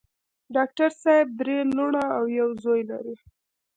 ډاکټر صېب درې لوڼه او يو زوے لري